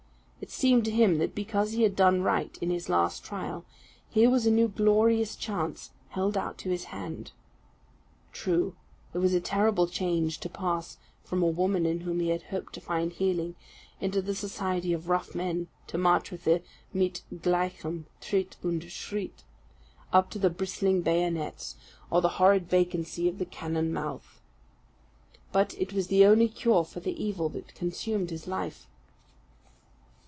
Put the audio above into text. It seemed to him that because he had done right in his last trial, here was a new glorious chance held out to his hand. True, it was a terrible change to pass from a woman in whom he had hoped to find healing, into the society of rough men, to march with them, "mitgleichem Tritt und Schritt," up to the bristling bayonets or the horrid vacancy of the cannon mouth. But it was the only cure for the evil that consumed his life.